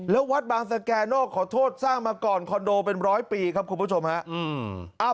แล้ววัดบางสแก่นอกขอโทษสร้างมาก่อนคอนโดเป็นร้อยปีครับคุณผู้ชมฮะ